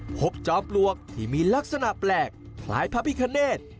จอมปลวกที่มีลักษณะแปลกคล้ายพระพิคเนธ